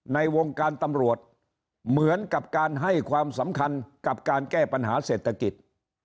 ในวงการตำรวจเหมือนกับการให้ความสำคัญกับการแก้ปัญหาเศรษฐกิจ